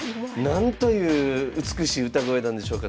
なんという美しい歌声なんでしょうか。